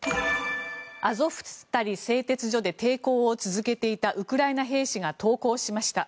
アゾフスタリ製鉄所で抵抗を続けていたウクライナ兵士が投降しました。